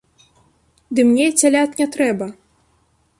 Ды мне цялят не трэба!